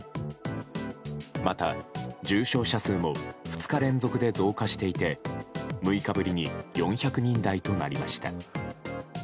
また、重症者数も２日連続で増加していて６日ぶりに４００人台となりました。